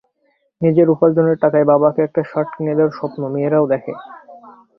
নিজের উপার্জনের টাকায় বাবাকে একটা শার্ট কিনে দেওয়ার স্বপ্ন মেয়েরাও দেখে!